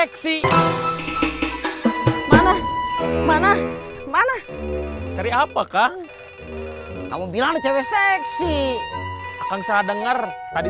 kukung shopchain keliru tuh beach yang miranda lo the book yang sengaja di multi deskripsi